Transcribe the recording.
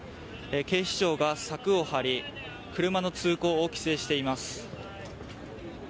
警視庁が柵を張り車の通行を規制しています。